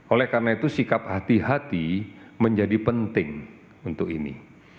oleh karena itu sikap hati hati menjadi penting untuk ini